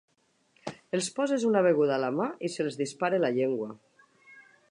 Els poses una beguda a la mà i se'ls dispara la llengua.